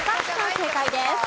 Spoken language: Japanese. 正解です。